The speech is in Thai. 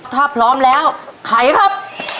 ถ้าพร้อมแล้วไขครับ